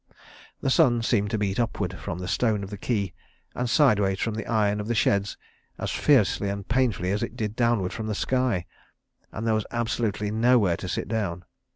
The sun seemed to beat upward from the stone of the quay and sideways from the iron of the sheds as fiercely and painfully as it did downward from the sky. And there was absolutely nowhere to sit down.